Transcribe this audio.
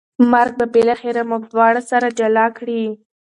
مرګ به بالاخره موږ دواړه سره جلا کړي